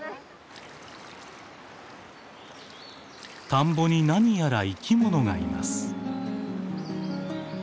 田んぼに何やら生きものがいます。